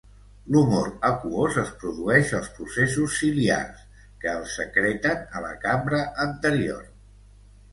L'humor aquós es produeix als processos ciliars, que el secreten a la cambra anterior.